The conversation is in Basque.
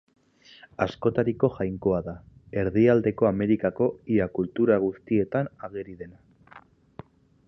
Askotariko jainkoa da, Erdialdeko Amerikako ia kultura guztietan ageri dena.